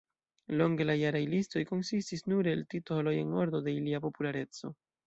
Longe la jaraj listoj konsistis nur el titoloj en ordo de ilia populareco.